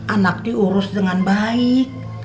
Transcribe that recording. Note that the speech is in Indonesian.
anak diurus dengan baik